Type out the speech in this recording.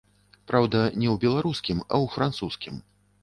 Праўда, не ў беларускім, а ў французскім.